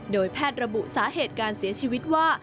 โดยแพทย์ระบุสาเหตุการเสียชีวิตว่า